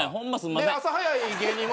で朝早い芸人は。